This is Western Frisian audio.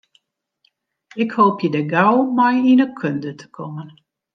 Ik hoopje dêr gau mei yn de kunde te kommen.